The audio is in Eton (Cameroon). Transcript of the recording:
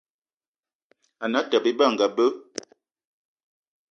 Ane Atёbё Ebe anga be